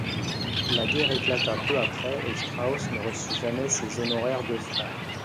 La guerre éclata peu après et Strauss ne reçut jamais ses honoraires de francs.